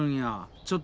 ちょっと。